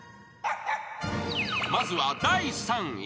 ［まずは第３位］